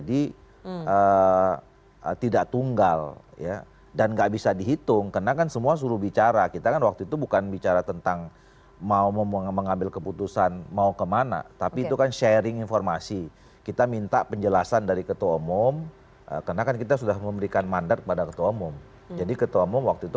dan kalau diakumulasi itu mayoritas condong kepada dua itu